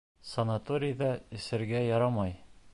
Санаторийҙа эсергә ярамай!